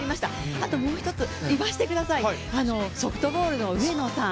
あともう一つ、言わせてください、ソフトボールの上野さん